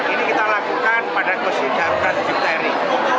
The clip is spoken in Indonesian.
ini kita lakukan pada kusidaban difteri